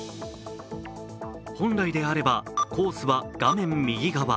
本来であればコースは画面右側。